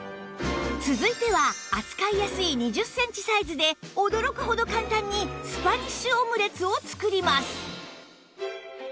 続いては扱いやすい２０センチサイズで驚くほど簡単にスパニッシュオムレツを作ります